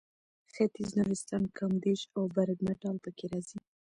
ختیځ نورستان کامدېش او برګمټال پکې راځي.